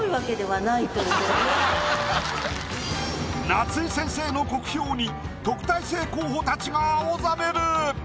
夏井先生の酷評に特待生候補たちが青ざめる！